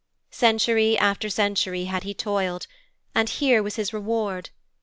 Century after century had he toiled, and here was his reward.